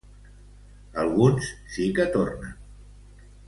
Alguns sí que tornen.